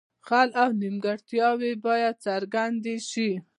خل او نیمګړتیاوې باید څرګندې شي.